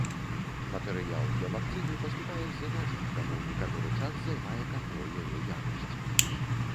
Матэрыял для вакцыны паступае з-за мяжы, таму некаторы час займае кантроль яе якасці.